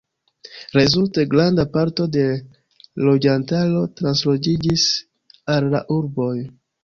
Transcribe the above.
Rezulte, granda parto de loĝantaro transloĝiĝis al la urboj.